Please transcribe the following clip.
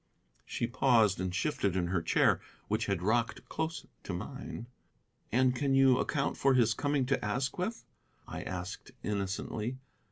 She paused and shifted her chair, which had rocked close to mine. "And can you account for his coming to Asquith?" I asked innocently.